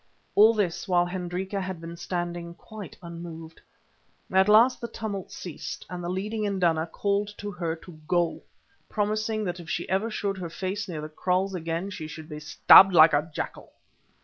All this while Hendrika had been standing quite unmoved. At last the tumult ceased, and the leading induna called to her to go, promising that if ever she showed her face near the kraals again she should be stabbed like a jackal.